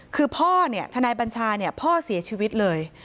คือพ่อเนี่ยทนายบัญชาเนี่ยพ่อเสียชีวิตเลย